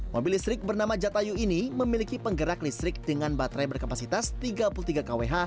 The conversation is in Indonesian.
mobil listrik bernama jatayu ini memiliki penggerak listrik dengan baterai berkapasitas tiga puluh tiga kwh